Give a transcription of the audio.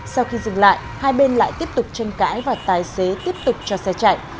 sau khi dừng lại hai bên lại tiếp tục tranh cãi và tài xế tiếp tục cho xe chạy